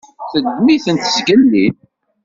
Teddem-itent zgelli.